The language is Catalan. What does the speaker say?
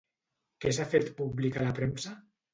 Què s'ha fet públic a la premsa?